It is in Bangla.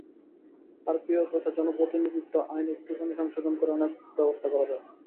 আরপিও তথা জনপ্রতিনিধিত্ব আইন একটুখানি সংশোধন করে অনেক ব্যবস্থা করা যাবে।